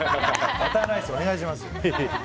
バターライスお願いしますよ。